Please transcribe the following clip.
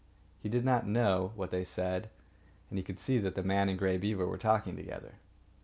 He did not know what they said, but he could see the man and Grey Beaver talking together.